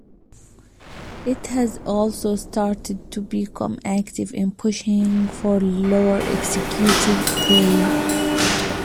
It has also started to become active in pushing for lower executive pay.